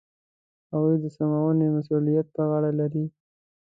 هغه د سمونې مسوولیت په غاړه لري.